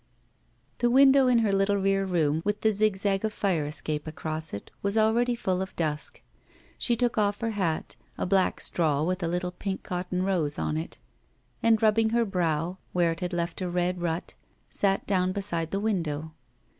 The window in her little rear room with the zigzag of fire escape across it was already full of dusk. She took off her hat, a black straw with a little pink cotton rose on it, and, rubbing her brow where it had left a red rut, sat down beside the window.